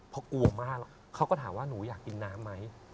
เพราะกลัวมากเขาก็ถามว่าหนูอยากกินน้ำไหม